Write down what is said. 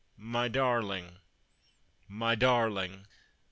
255 " My darling ! my darling